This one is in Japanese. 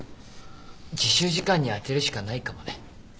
自習時間に充てるしかないかもね。